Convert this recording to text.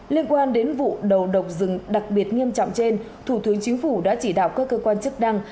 liên quan đến vụ đầu độc rừng đặc biệt nghiêm trọng trên thủ tướng chính phủ đã chỉ đạo các cơ quan chức năng